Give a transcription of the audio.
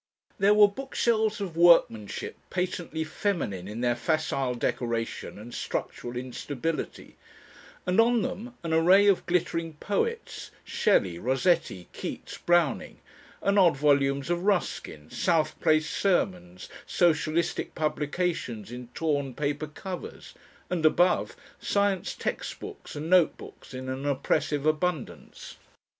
There were bookshelves of workmanship patently feminine in their facile decoration and structural instability, and on them an array of glittering poets, Shelley, Rossetti, Keats, Browning, and odd volumes of Ruskin, South Place Sermons, Socialistic publications in torn paper covers, and above, science text books and note books in an oppressive abundance.